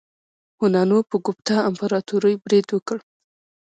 هونانو په ګوپتا امپراتورۍ برید وکړ.